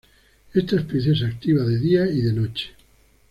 Esta especie es activa de día y de noche.